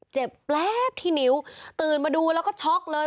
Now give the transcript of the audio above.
แป๊บที่นิ้วตื่นมาดูแล้วก็ช็อกเลย